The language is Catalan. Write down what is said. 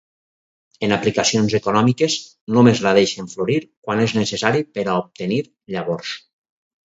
En aplicacions econòmiques, només la deixen florir quan és necessari per a obtenir llavors.